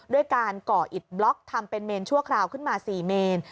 ด้วยการก่ออิดบล็อกทำเป็นเมนชั่วคราวขึ้นมา๔เมน